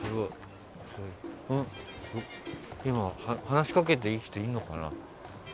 今、話しかけていい人いるのかな？